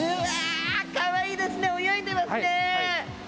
かわいいですね泳いでいますね。